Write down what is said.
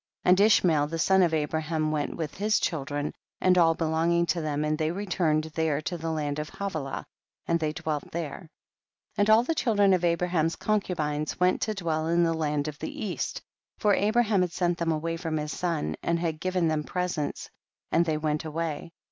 19. And Ishmael the son of Abra ham went with his children and all belonging to them, and they returned there to the land of Havilah, and they dwelt there. 20. And all the children of Abra ham's concubines went to dwell in the land of the east, for Abraham had sent them away from his son, and had given them presents, and they went away.